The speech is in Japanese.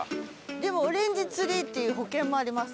でもオレンジツリーっていう保険もあります。